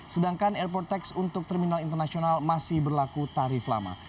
sedangkan airport tax untuk terminal internasional masih berlaku tarif lama